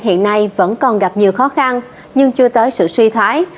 hiện nay vẫn còn gặp nhiều khó khăn nhưng chưa tới sự suy thoái